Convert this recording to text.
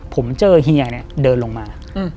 ผมเจอเฮียเนี่ยเดินลงมา